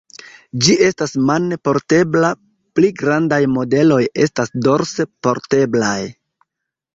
Ĝi estas mane portebla, pli grandaj modeloj estas dorse porteblaj.